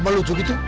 mbak lucu gitu